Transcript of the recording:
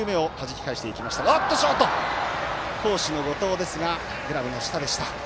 好守の後藤ですがグラブの下でした。